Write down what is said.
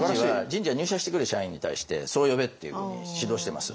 人事は入社してくる社員に対してそう呼べっていうふうに指導してます。